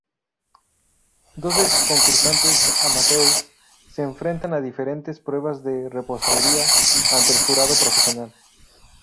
Doce concursantes amateurs se enfrentan a diferentes pruebas de repostería ante el jurado profesional.